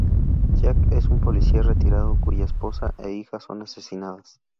Jack es un policía retirado cuya esposa e hija son asesinadas.